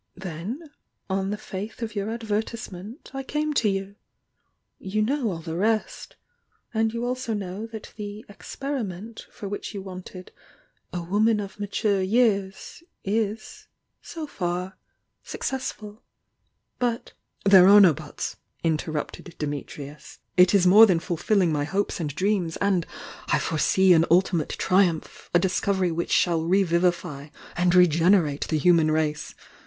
Then — on the faith of your advertisement I came to you. You know all the rest — and you also know that the 'experiment' for which you wanted 'a woman of mature years' is — so far — suc cessful. But " "There are no buts," interrupted Dimitrius. "It is more than fulfilling my hopes and drean^! — and 200 THE YOUNG DIANA I foresee an ultimate triumph!— a diaci, ery which shall revivify and regenerate the human race!